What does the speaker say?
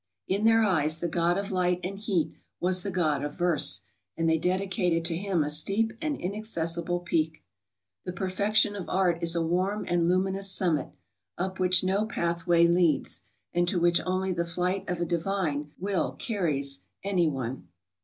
In their eyes the god of light and heat was the god of verse; and they dedicated to him a steep and inaccessible peak. The perfec¬ tion of art is a warm and lurniuous summit, up which no pathway leads, and to which only the flight of a divine will carries any one.